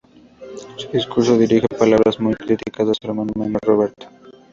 En su discurso dirige palabras muy críticas a su hermano menor Roberto.